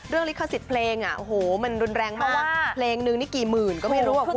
ลิขสิทธิ์เพลงมันรุนแรงมากว่าเพลงนึงนี่กี่หมื่นก็ไม่รู้อ่ะคุณ